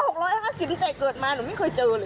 หูวววเฮียขี้เมื่อ๖๕๐เต็กเกิดมาหนูไม่เคยเจอเลย